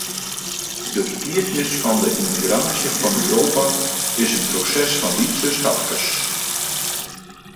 De skiednis fan de yntegraasje fan Europa is in proses fan lytse stapkes.